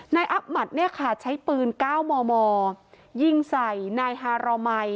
นายอับหัดเนี่ยค่ะใช้ปืน๙มมยิงใส่นายฮารอมัย